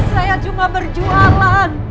saya cuma berjualan